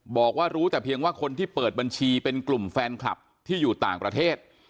บอกว่ารู้แต่เพียงว่าคนที่เปิดบัญชีเป็นกลุ่มแฟนคลับที่อยู่ต่างประเทศ